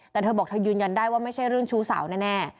แต่เธอบอกเธอยืนยันได้ว่าไม่ใช่เรื่องชู้สาวแน่